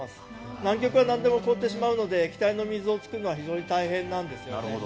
南極はなんでも凍ってしまうので液体の水を作るのは非常に大変なんですよね。